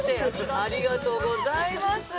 ありがとうございます。